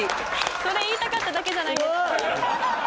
それ言いたかっただけじゃないですか。